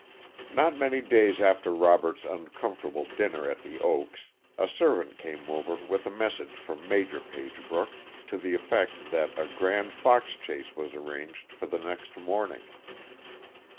_ Not many days after Robert's uncomfortable dinner at The Oaks, a servant came over with a message from Major Pagebrook, to the effect that a grand fox chase was arranged for the next morning.